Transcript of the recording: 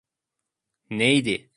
Neydi?